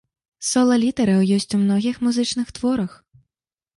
Сола літаўраў ёсць у многіх музычных творах.